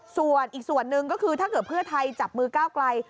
ส่วนอีกส่วนหนึ่งก็คือถ้าเกิดเพื่อไทยจับมือก้าวไกล